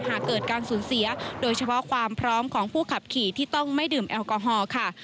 หากเกิดการสูญเสียโดยเฉพาะความพร้อมของผู้ขับขี่ที่ต้องไม่ดื่มแอลกอฮอล์ค่ะ